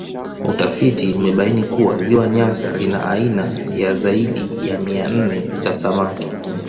Utafiti umebaini kuwa Ziwa Nyasa lina aina ya zaidi ya mia nne za samaki